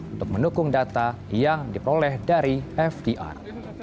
untuk mendukung data yang diperoleh dari fdr